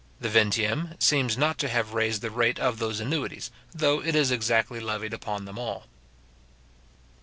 The vingtieme seems not to have raised the rate of those annuities, though it is exactly levied upon them all.